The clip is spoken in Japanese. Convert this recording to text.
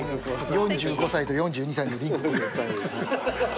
４５歳と４２歳のリンクコーデです。